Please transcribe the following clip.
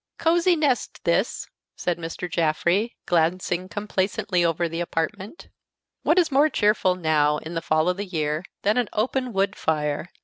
"Cozy nest this," said Mr. Jaffrey, glancing complacently over the apartment. "What is more cheerful, now, in the fall of the year, than an open wood fire?